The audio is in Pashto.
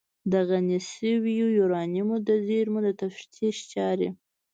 د غني شویو یورانیمو د زیرمو د تفتیش چارې